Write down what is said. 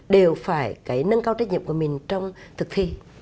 đều phải cái nâng cao trách nhiệm của mình trong thực thi